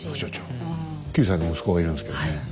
９歳の息子がいるんですけどね